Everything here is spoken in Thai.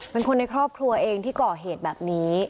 เป็นคนในครอบครัวเองที่ก่อเหตุแบบนี้